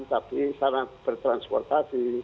di sarana bertransportasi